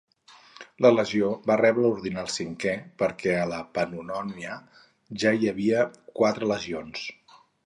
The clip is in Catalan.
La legió va rebre l'ordinal "cinquè" perquè a la Panonònia ja hi havia quatre legions.